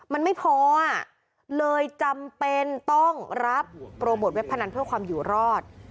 มันไม่พอเลยจำเป็นต้องรับโปรโมทเว็บพนันเพื่อความอยู่รอด